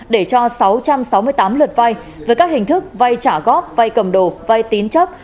để cho sáu trăm sáu mươi tám lượt vai với các hình thức vay trả góp vay cầm đồ vay tín chấp